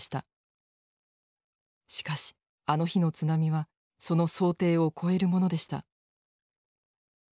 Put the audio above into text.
しかしあの日の津波はその想定を超えるものでした。